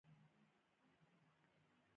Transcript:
لوړ کیفیت د مشتری پام ځان ته رااړوي.